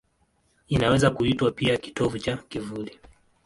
Inaweza kuitwa pia kitovu cha kivuli.